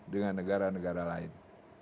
dengan negara negara lain